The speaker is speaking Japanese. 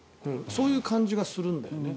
そういう感じがするんだよね。